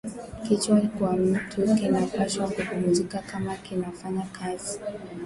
Kichwa kya mutu kinapashwa kupumuzika kama kina fanya kazi